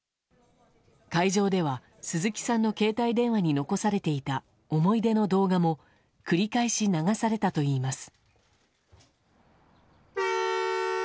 会場では、鈴木さんの携帯電話に残されていた思い出の動画も繰り返し流されたといいます。